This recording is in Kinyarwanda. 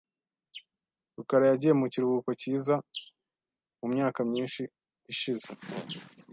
rukara yagiye mu kiruhuko cyiza mu myaka myinshi ishize .